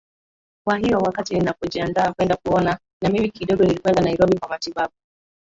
kwa hiyo wakati ninapojiandaa kwenda kuona na mimi kidogo nilikwenda nairobi kwa matibabu